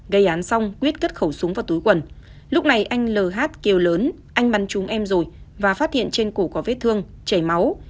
gây án xong quyết cất khẩu súng vào túi quần lúc này anh lh kêu lớn anh bắn chúng em rồi và phát hiện trên cổ có vết thương chảy máu